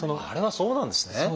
あれはそうなんですね。